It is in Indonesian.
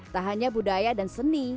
tak hanya budaya dan seni